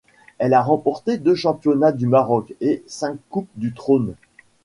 Elle a remporté deux Championnats du Maroc et cinq Coupe du Trône.